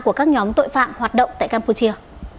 các nhóm tội phạm hoạt động tại campuchia